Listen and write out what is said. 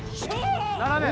斜め！